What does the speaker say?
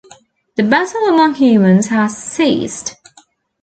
The battle among humans has ceased.